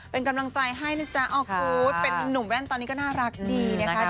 เป็นกำลังใจให้นะจ๊ะออกูธเป็นนุ่มแว่นตอนนี้ก็น่ารักดีนะคะ